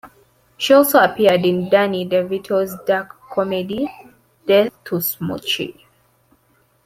She also appeared in Danny DeVito's dark comedy, "Death to Smoochy".